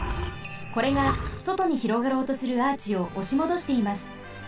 これがそとに広がろうとするアーチをおしもどしています。